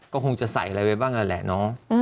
ก็คงจะใส่อะไรเว้ยบ้างแหละน้อง